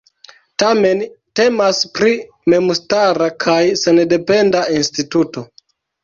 Tamen temas pri memstara kaj sendependa instituto.